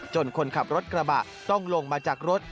คนขับรถกระบะต้องลงมาจากรถ